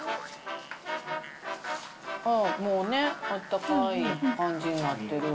ああ、もうね、あったかい感じになってる。